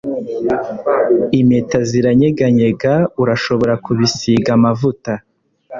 impeta ziranyeganyega urashobora kubisiga amavuta